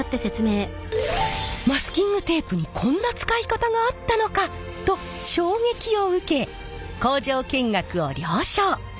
「マスキングテープにこんな使い方があったのか！」と衝撃を受け工場見学を了承。